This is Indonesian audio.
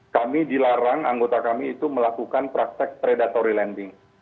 kami dilarang anggota kami itu melakukan praktek predatory landing